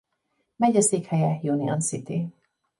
Megyeszékhelye Union City.